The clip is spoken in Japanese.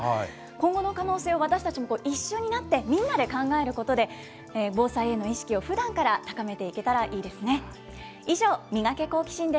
今後の可能性、私たちも一緒になってみんなで考えることで、防災への意識をふだんから高めていけたらいいですね。